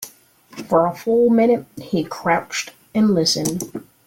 For a full minute he crouched and listened.